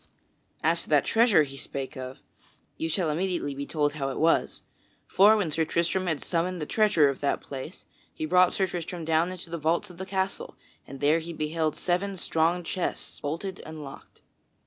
As to that treasure he spake of, ye shall immediately be told how it was. For when Sir Tristram had summoned the treasurer of that place, he brought Sir Tristram down into the vaults of the castle and there he beheld seven strong chests bolted and locked.